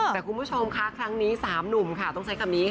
แต่คุณผู้ชมคะครั้งนี้๓หนุ่มค่ะต้องใช้คำนี้ค่ะ